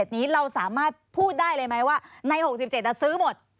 นี้เราสามารถพูดได้เลยไหมว่าใน๖๗ซื้อหมด